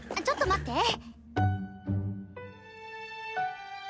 ちょっと待って。